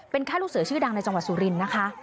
ค่าลูกเสือชื่อดังในจังหวัดสุรินทร์นะคะ